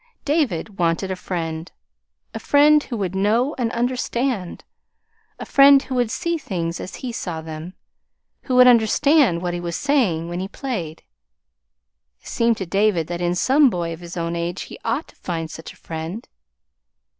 David wanted a friend, a friend who would know and understand; a friend who would see things as he saw them, who would understand what he was saying when he played. It seemed to David that in some boy of his own age he ought to find such a friend.